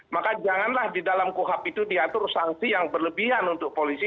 maka janganlah di dalam kuhap itu diatur sanksi yang berlebihan untuk polisi